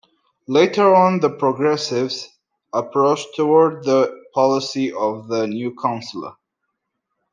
Later on the Progressives approached towards the policy of the new chancellor.